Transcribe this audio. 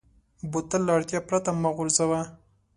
بوتل له اړتیا پرته مه غورځوه.